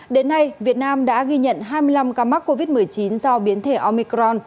đến nay việt nam đã ghi nhận hai mươi năm ca mắc covid một mươi chín do biến thể omicron